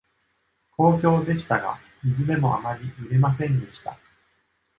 好評でしたが、いずれもあまり売れませんでした。